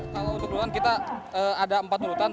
kalau untuk perguruan kita ada empat tuntutan